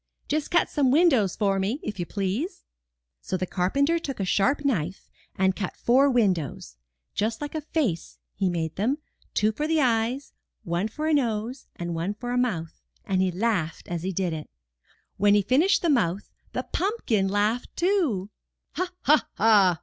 'Just cut some windows for me, if you please." So the carpenter took a sharp knife and cut four windows — ^just like a face he made them, two for eyes, one for a nose, and one for a mouth, and he laughed as he did it. When he finished the mouth, the pumpkin laughed too. ''Ha, ha, ha!"